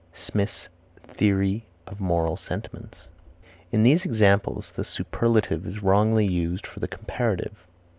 Smith's Theory of Moral Sentiments. In these examples the superlative is wrongly used for the comparative.